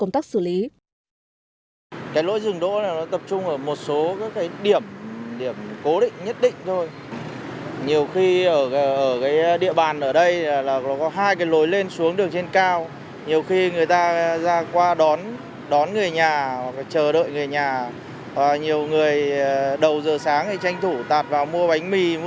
trong công tác xử lý